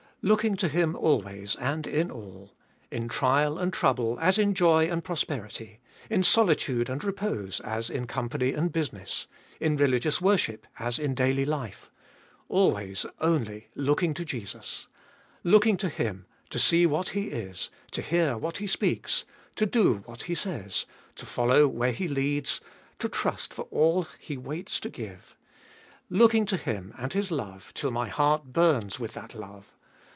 Looking to Him always and in all. In trial and trouble, as in joy and prosperity ; in solitude and repose, as in company and business ; in religious worship, as in daily life ;— always, only, looking to Jesus. Looking to Him, to see what He is, to hear 484 <rbe Iboliest of ail what He speaks, to do what He says, to follow where He leads, to trust for all He waits to give. Looking to Him and His love, till my heart burns with that love.